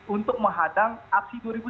untuk menghadang aksi dua ribu sembilan belas